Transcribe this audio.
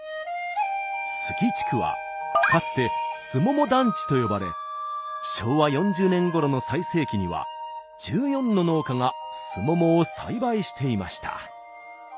杉地区はかつて「すもも団地」と呼ばれ昭和４０年ごろの最盛期には１４の農家がすももを栽培していました。